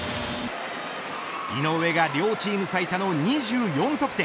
井上が両チーム最多の２４得点。